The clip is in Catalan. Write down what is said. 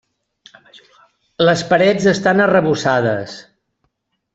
Les parets estan arrebossades.